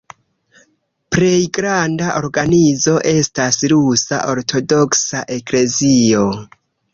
Plej granda organizo estas Rusa Ortodoksa Eklezio.